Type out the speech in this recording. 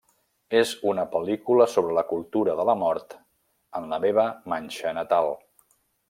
És una pel·lícula sobre la cultura de la mort en la meva Manxa natal.